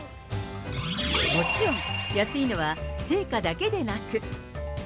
もちろん安いのは青果だけでなく。